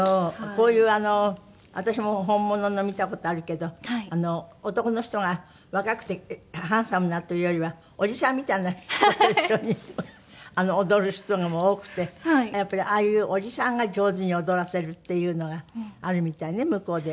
こういう私も本物の見た事あるけど男の人が若くてハンサムだというよりはおじさんみたいな人と一緒に踊る人も多くてやっぱりああいうおじさんが上手に踊らせるっていうのがあるみたいね向こうでは。